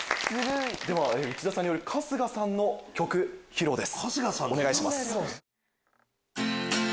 では内田さんによる春日さんの曲披露です。